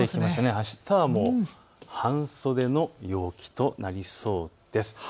あしたはもう半袖の陽気となりそうです。